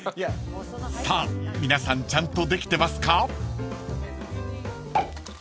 ［さあ皆さんちゃんとできてますか？］